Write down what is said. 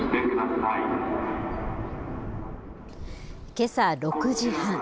けさ６時半。